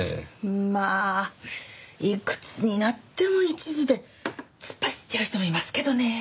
まあいくつになっても一途で突っ走っちゃう人もいますけどねえ。